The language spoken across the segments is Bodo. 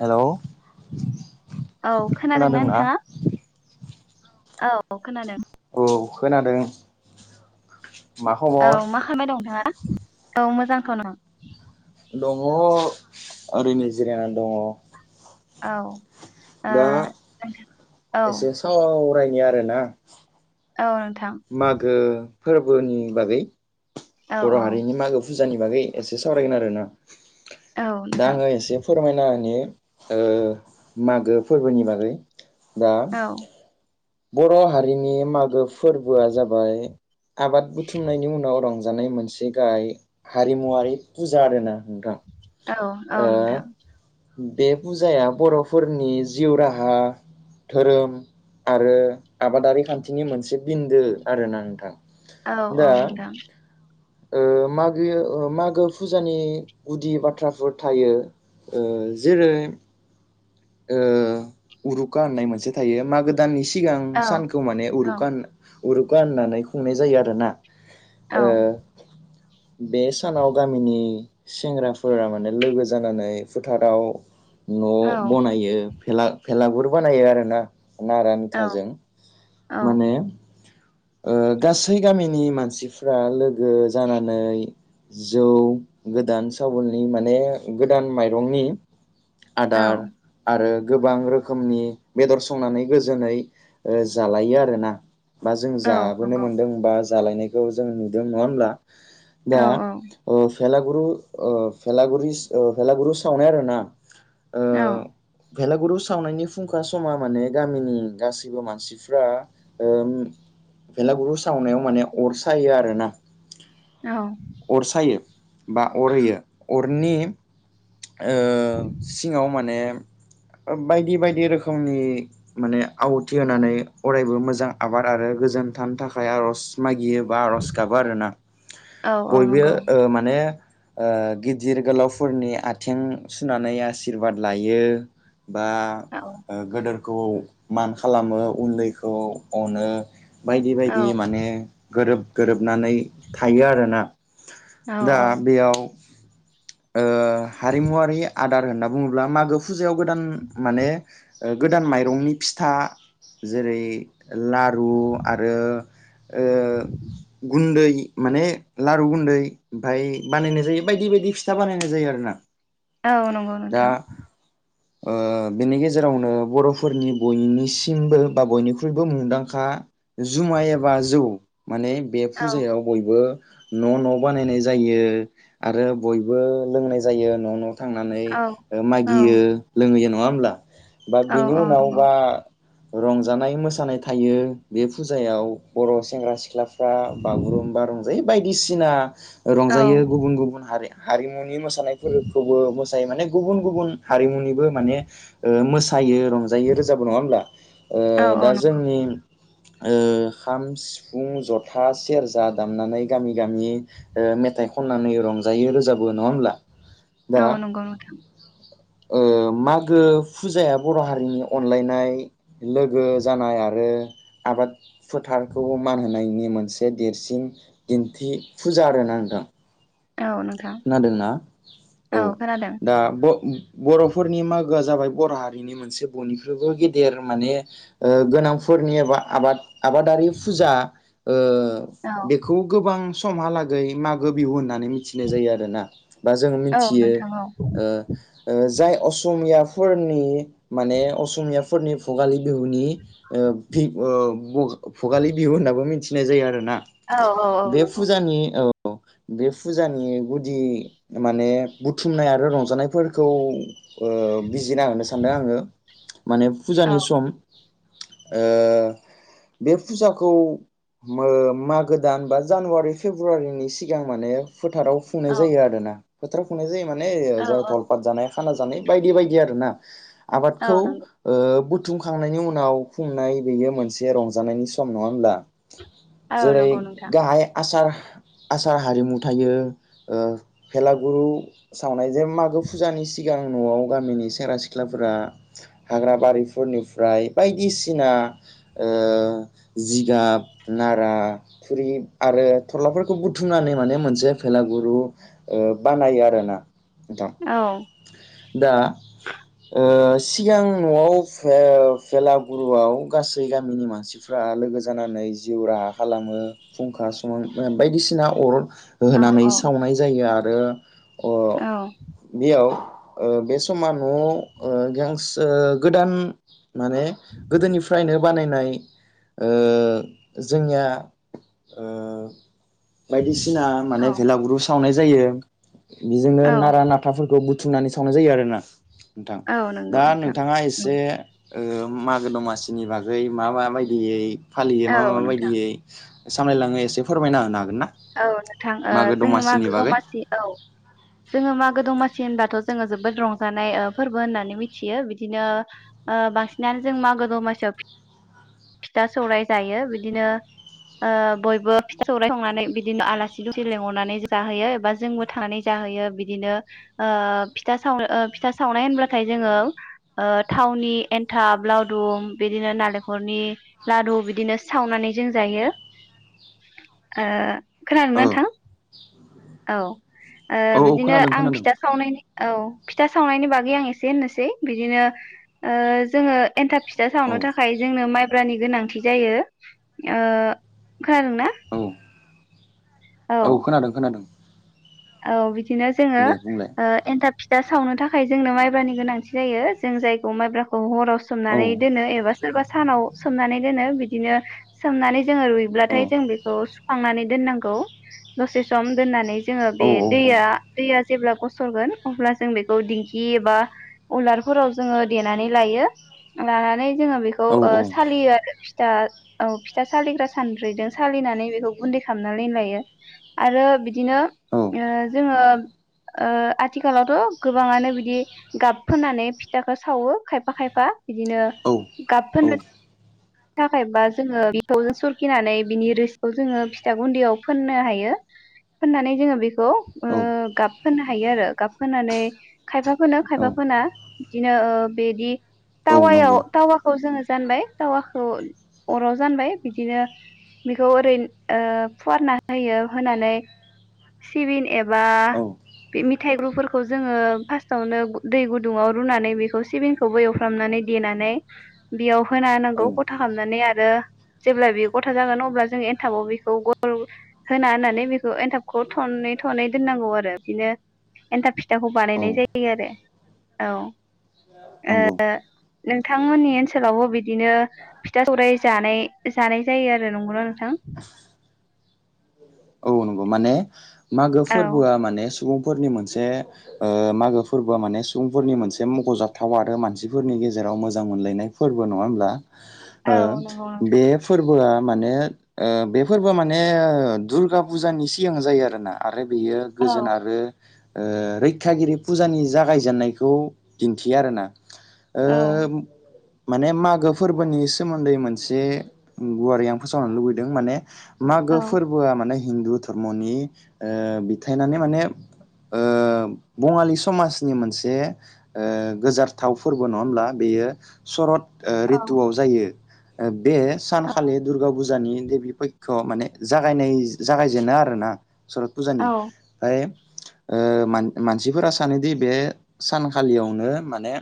हेलौ औ खोनादों ना खोनादोंना नोंथाङा? औ खोनादों। औ खोनादों। मा औ खबर मा खामबाय दं नोंथाङा? औ मोजांथ' न' दङ ओरैनो जिरायनानै दङ औ ओ दा एसे सावराय नि आरोना औ नोंथां। मागो फोरबोनि बागै। औ बर' औ नोंथां हारिनि मागो फु जानि बागै एसे सावरायगोन आरो ना औ औ दा नोंथां आङो एसे फोरमायना होनि। ओ मागो फोरबोनि बागै दा औ बर' हारिनि मागो फोरबोआ जाबाय। आबाद बुथुमनायनि उनाव रं जानाय मोनसे गाहाय हारिमुवारि फुज जा आरोना नोंथां। औ औ ओ नोंथां। बे फुजाया बर'फोरनि जिउ राहा धोरोम आरो आबादारि खान्थिनि मोनसे बिन्दो आरोना नोंथां। औ दा औ नोंथां। ओ मागो मागो फुजानि गुदि बाथ्राफोर थायो। जेरै ओ उरुखा होननाय मोनसे थायो मागो दाननि सि सिगां औ सानखौ माने औ उरुखान होन उरुखा होननानै खुंनाय जायो आरोना। औ ओ बे सानाव गामिनि सेंग्राफोरा माने लोगो जानानै फोथाराव न औ बनायो फेला भेलागुर बानायो आरो ना। नारा औ नाथाजों माने ओ गासै गामिनि मानसिफ्रा लोगो जानानै जौ गोदान सावोलनि माने गोदान माइरंनि औ आदार आरो गोबां रोखोमनि बेदर संनानै गोजोनै ओ जालायो आरोना। बा जों औ जाबोनो नंगौ मोन्दों बा जालायनायखौ जों नुदों नङा होमब्ला? औ दा औ अ भेलागुरु ओ भेलागुरिस ओ भेलागुरु सावनाय आरो ना? औ भेलागुरु सावनायनि फुंखा समा माने गामिनि गासैबो मानसि फ्रा ओ उम भेलागुरु सावनायाव माने अर सायो आरो ना। औ अर सायो बा अर होयो अर नि ओ सिङाव माने बायदि बायदि रोखोमनि माने आहुथि होनानै अरायबो मोजां आबाद आरो गोजोन थानो थाखाय आरज मा गियो बा आरज गाबो आरोना औ औ बयबो नंगौ ओ माने ओ गिदिर गोलावफोरनि आथिं सुनानै आसिरबाद लायो। बा औ ओ गोदोर खौ मान खालामो उन्दै खौ अनो बायदि औ बायदि माने गोरोब नानै थायो आरोना औ दा बेयाव ओ हारिमुवारि आदार होनना बुङोब्ला मागो फुजायाव गोदान माने ओ गोदान माइरंनि फिथा जेरै लारु आरो ओ गुन्दै माने लारु गुन्दै ओमफाय बानायनाय जायो बायदि बायदि फिथा बानायनाय जायो आरो ना। औ नंगौ नोंथां। ओ बेनि गेजेरावनो बरफोरनि बयनि सिमबो बा बयनि ख्रुइबो मुंदांखा जुमाय एबा जौ माने बे औ फुजायाव बयबो न'न बानायनाय जायो। आरो बयबो लोंनाय जायो न'न। थांनानै औ ओ औ मागियो लोंङैयो न नंआ होनब्ला बा औ बिनि औ उनाव नंगौ बा रंजानाय मोस सानाय थायो बे फुजायाव बर सेंग्रा सिख्ला बा बागुरुम्बा रंजायो बायदिसिना औ रंजायो गुबुन गुबुन हारिया हारि न'नि मोसानायफोरखौबो मोसायो माने गुबुन-गुबुन हारिमुनिबो माने ओ मोसायो रंजायो रोजाबो नंआ होनब्ला ओ औ दा औ नंगौ जोंनि ओ खाम सिफुं जथा सेरजा दामनानै गामि-गामि ओ मेथाइ खननानै रंजायो रोजाबो नङा होमब्ला दा औ नंगौ नोंथां। ओ मागो फुजाया बर हारिनि अनलायनाय लोगो जानाय आरो आबाद फोथारखौ मान होनायनि मोन से देरसिन दिन्थि फुजा आरो ना नोंथां औ नोंथां खादोंना औ दा ब बरफोरनि मागो गोआ जाबाय बर' हारिनि मोनसे बयनिख्रुइबो गेदेर माने गोनांफोरनि एबा आबाद आबादारि फुजा ओ औ बेखौ गोबां स समहालागै मागो बिहु होननानै बे जायो आरोना बा जों औ मिथियो नोंथां औ ओ ओ जाय असमियाफोरनि माने असमियाफोरनि भुगाल बिहुनि ओ फि ओ भ भगालि बिहु होननाबो मिथिनाय जायो आरो ना औ बे नंगौ फुजानि औ औ बे फु जानि गुदि माने बुथुमनाय आरो रंजानायफोरखौ ओ बिजिना होनो सानदों आङो माने औ फुजानि सम ओ बे फुजाखौबो मागो दान बा जानुवारि फेब्रुवारिनि सिगां माने फोथाराव खुंनाय औ जायो आरोना फोथाराव खुंनाय जायोमोन माने जा धलपाथत जानाय खाना जानाय बायदि बायदि आरो ना औ आबादखौ ओ नंगौ बु बुथुमखांनायनि उनाव खुंनाय बेयो मोनसे रंजानायनि सम नङा होमबा औ जेरै नंगौ नोंथां गाहाय आसार आसार हारिमु थायो ओ भेलागुरु सावनाय जे मागो फुजानि सिगां नआव गामिनि सेंग्रा सिख्लाफोरा हाग्रा बारिफोरनिफ्राय बायदिसिना ओ जिगाब नारा खुरि आरो थरलाफोरखौ बुथुमनानै माने मोन से भेलागुरु बानायो आरोना। नोंथां औ दा ओ सिगां नआव फेलागुरुआव गासै गामिनि मानसिफ्रा लोगो जानानै जिउ राहा खालामो फुंखा समान बायदिसिना अर औ होनानै औ सावनाय जायो आरो आरो अ औ बेयाव ओ बे समा न ओ गांसो गोदान माने गोदोनिफ्रायनो बानायनाय ओ जोंनिया ओ बायदिसिना माने भेलागुरु साव नाय जायो। बिजोंनो औ नारा नाथाफोरखौ बुथ बुथुमनानै सावनाय जायो आरो ना नोंथां औ नंगौ दा नोंथां नोंथाङा एसे मागो ओ दमासिनि बागै मा मा बायदियै फालियो औ मा मा नोंथां बायदियै सामलायलाङो एसे फोरमायना होनो हागोन ना? औ नोंथां ओ मागो जोङो दमासिनि मागो बागै दमासि औ जोङो मागो दमासि जेनबाथ जोङो जोबोद रंजानाय ओ फोरबो होननानै मिथियो बिदिनो ओ बांसिनानो जों मागो दमासियाव फिथा सौराय जायो बिदिनो ओ बयबो फिथा सौराय संनानै बि दिनो आलासि दसे लिंहरनानै जाहोयो एबा जोंबो थांनानै जाहोयो बिदिनो ओ फिथा सावनाय फिथा सावनाय होनब्लाथाय जोङो थावनि एन्थाब लावदुम बिदिनो नालेंखरनि लारु बिदिनो सावनानै जों जायो ओ खोनादों औ ना नोंथां? औ ओ‌ औ औ बिदिनो खोनादों आं खोनादों फिथा सावनायनि औ फिथा सावनायनि बागै आं एसे होननोसै बिदिनो ओ जोङो एन्थाब फिथा औ सावनो थाखाय जोंनो माइ ब्रानि गोनांथि जायो ओ खोनादोंना? औ औ खोनादों खोनादों औ बि दिनो जोङो दे बुंलाय ओ एथाब फिथा सावनो थाखाय जोंनो माइब्रानि गोनांथि जायो जों जायखौ माइब्राखौ हराव औ सोमनानै दोनो एबा सोरबा सानाव सोमनानै दोनो बिदिनो सोमनानै जोङो औ रुइब्लाथाय जों बेखौ सुखांनानै दोननांगौ दसे सम दोननानै जों औ बे दैया दैया जेब्ला गसरगोन अब्ला जों बेखौ दिंखि एबा उलारफोराव जोङो देनानै लायो लानानै जोङो बेखौ औ ओ सालियो आरो। फिथा औ फिथा सालिग्रा सान्द्रि जों सालिनानै बेखौ गुन्दै खालामना लायो। आरो बिदिनो ओ जोङो ओ आथिखालावथ गोबाङानो बिदि गाब फोननानै फिथाखौ सावो खायफा खायफा बिदिनो गाब औ फोननो थाखायबा जोङो बिखौ सरखिनानै बिनि रोसिखौ जोङो फिथा गुन्दैयाव फोननो हायो। फोननानै जोङो बेखौ खौ ओ गाब फोननो हायो आरो गाब फोननानै खायफा फोनो औ खायफा फोना बिदिनो ओ बेदि औ तावायाव नंगौ तावाखौ जोङो जानबाय तावाखौ अराव जानबाय बिदिनो बेखौ ओरै ओ फुवारना होयो होनानै सिबिन एबा औ बे मिथाइग्रुफोरखौ जोङो फासथावनो दै गुदुङाव रुनानै बेखौ सिबिनखौबो एवफ्रामनानै देनानै बेयाव होना होनांगौ औ गथा खालामनानै आरो जेब्ला बे गथा जागोन अब्ला जोंङो एनथाबाव बेखौ गल होना होननानै बेखौ एनथाबखौ थनै थनै दोननांगौ आरो बिदिनो एन्थाब फिथाखौ औ बानायनाय जायो आरो औ ओ नंगौ नोंथांमोननि ओनसोलावबो बिदिनो फिथा सौराइ जानाय जानाय जायो आरो नंगौना नोंथां नंगौ नंगौ माने मागो औ फोरबोआ माने सुबुंफोरनि मोनसे ओ मागो फोरबोआ माने सुबुंफोरनि मोनसे मख'जाथाव आरो मानसिफोरनि गेजेराव मोजां मोनलायनाय फोरबो नङा होमब्ला? औ ओ नंगौ नोंथां बे फोरबोआ माने ओ बेफोरबो माने दुर्गा पुजानि सिगां जायो आरोना आर आरो बेयो औ गोजोन आरो ओ रैखाागिरि फुजानि जागायजेननायखौ दिन्थियो आरो ना। ओ औ माने मागो फोरबोनि सोमोन्दै मोनसे गुवारै आं फोसावनो लुबैदों माने मागो फोरबोआ माने हिन्दु धर्मनि ओ बिथायनानै माने ओ बङालि समाजनि मोनसे ओ गोजारथाव फोरबो नङा होमब्ला बेयो सरत ओ औ रितुआव जायो। ओ बे सानखालि दुर्गा फुजानि देबि पयख माने जागायनाय जागायजेनो आरो ना। सरत फुजानि औ ओमफाय ओ मान मानसिफोरा सानोदि बे सानखालियावनो माने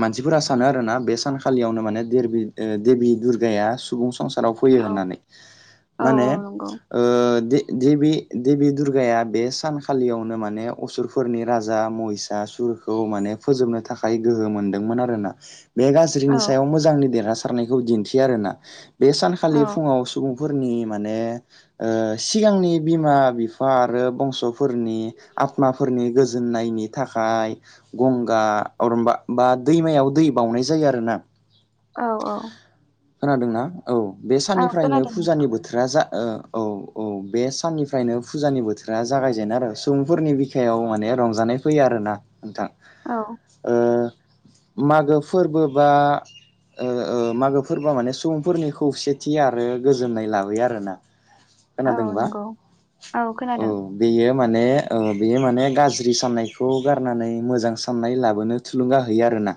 मानसिफोरा सानो आरोना बे सानखालियावनो माने देरबि देबि दुर्गाया सुबुं संसा राव फैयो होननानै औ माने औ नंगौ ओ दे देबि देबि दुर्गाया बे सानखालियावनो माने असुरफोरनि राजा महिसासुरखौ माने फोजोबनो थाखाय गोहो मोनदोंमोन आरोना। बे औ गाज्रिनि सायाव मोजांनि देरहासार नायखौ दिन्थियो आरोना। बे सानखालि औ फुङाव सुबुं फोरनि माने ओ सिगांनि बिमा बिफा आरो बंसफोरनि आत्माफोरनि गोजोननायनि थाखाय गंगा अरमबा बा दैमायाव दै बाउनाय जायो आरो ना। औ औ खोनादोंना? औ बे औ साननिफ्रायनो खोनादों नोंथां फुजानि बोथोरा जा ओ औ औ बे साननिफ्रायनो फुजानि बोथोरा जागायजेनो आरो सुबुंफोरनि बिखायाव माने रंजानाय फैयो आरोना नोंथां। औ ओ मागो फोरबो बा ओ ओ मागो फोरबोआ माने सुबुंफोरनि खौसेथि आरो गोजोननाय लाबोयो आरोना। औ खोनादोंबा नंगौ औ बेयो माने ओ बेयो माने गाज्रि साननायखौ गारनानै मोजां साननाय लाबोनो थुलुंगा होयो आरोना।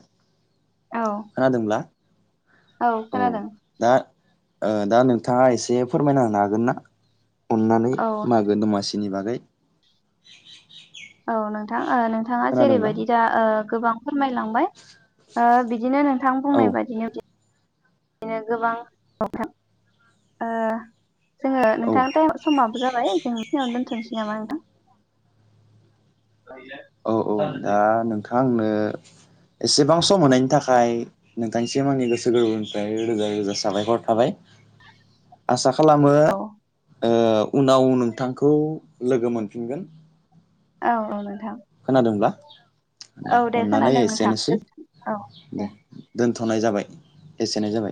औ खोनादोंब्ला औ खोनादों। दा ओ दा नोंथाङा एसे फोरमायना होनो हागोन ना? अननानै औ मागो दमासि नि बागै औ नों ओ नोंथाङा खोनादोंब्ला जेरैबायदि दा ओ गोबां फोरमायलांबाय ओ बिदिनो नों थां औ बुंनाय बादिनो दिनो गोबां [unintelligible] ओ जोङो औ नोंथां थाइम समा बो जाबाय जों बेखिनियावनो दोन्थनोसै नामा नोंथां? औ औ जागोन दे। दा नोंथां आंनो एसेबां सम होनायनि थाखाय नोंथांसिम आंनि गोसो गोरबोनिफ्राय रोजा रोजा साबायखर थाबाय आसा खालामो औ ओ उनाव नोंथांखौ लोगो मोनफिनगोन औ औ नोंथां। खोनादोंब्ला दे औ अननानै खोनादों नोंथां एसेनोसै गोजोनथों औ दे दोन। थनाय जाबाय एसेनाय जाबाय।